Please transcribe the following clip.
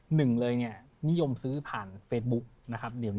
หนึ่งเลยเนี่ยนิยมซื้อผ่านเฟซบุ๊กนะครับ